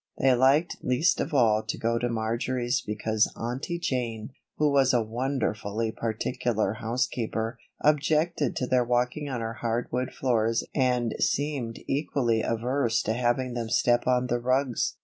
They liked least of all to go to Marjory's because Aunty Jane, who was a wonderfully particular housekeeper, objected to their walking on her hardwood floors and seemed equally averse to having them step on the rugs.